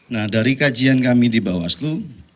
nah dari kajian kami di bawaslu